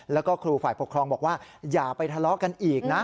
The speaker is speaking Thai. แล้วก็ครูฝ่ายปกครองบอกว่าอย่าไปทะเลาะกันอีกนะ